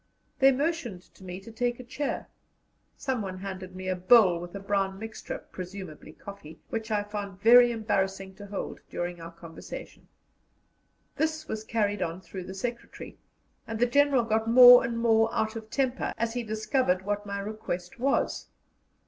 They motioned to me to take a chair; someone handed me a bowl with a brown mixture presumably coffee which I found very embarrassing to hold during our conversation. This was carried on through the secretary, and the General got more and more out of temper as he discovered what my request was.